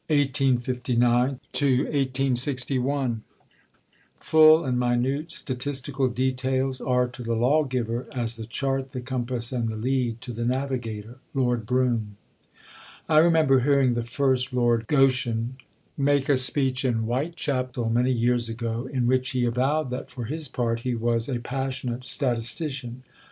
CHAPTER II THE PASSIONATE STATISTICIAN (1859 1861) Full and minute statistical details are to the lawgiver, as the chart, the compass, and the lead to the navigator. LORD BROUGHAM. I remember hearing the first Lord Goschen make a speech in Whitechapel many years ago, in which he avowed that for his part he was "a passionate statistician."